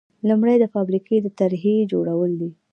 لومړی د فابریکې د طرحې جوړول دي.